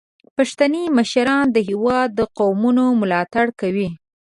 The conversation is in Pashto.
پښتني مشران د هیواد د قومونو ملاتړ کوي.